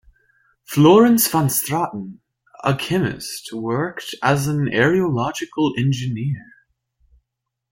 Florence van Straten, a chemist, worked as an aerological engineer.